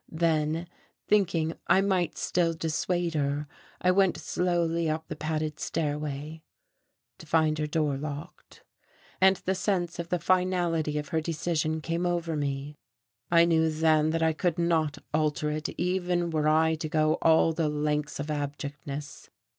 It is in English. Then, thinking I might still dissuade her, I went slowly up the padded stairway to find her door locked; and a sense of the finality of her decision came over me. I knew then that I could not alter it even were I to go all the lengths of abjectness.